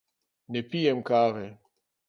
Ne pijem kave.